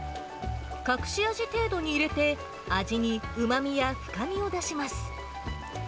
隠し味程度に入れて、味にうまみや深みを出します。